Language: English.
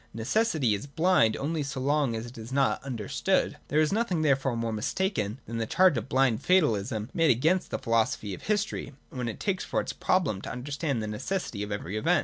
Necessity is blind only so long as it is not under stood. There is nothing therefore more mistaken than the charge of bhnd fatalism made against the Philosophy of History, when it takes for its problem to understand the necessity of every event.